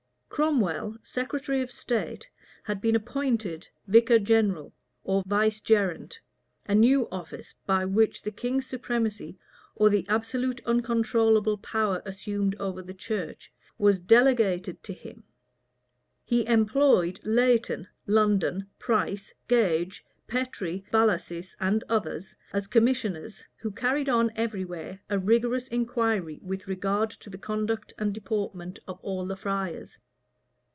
Cromwell, secretary of state, had been appointed vicar general, or vicegerent, a new office, by which the king's supremacy, or the absolute uncontrollable power assumed over the church, was delegated to him. He employed Layton, London, Price, Gage, Petre, Bellasis, and others, as commissioners who carried on every where a rigorous inquiry with regard to the conduct and deportment of all the friars.